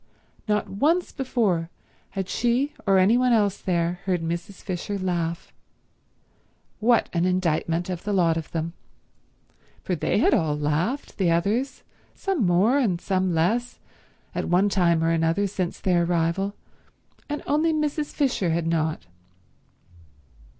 Not once before had she or any one else there heard Mrs. Fisher laugh. What an indictment of the lot of them! For they had all laughed, the others, some more and some less, at one time or another since their arrival, and only Mrs. Fisher had not.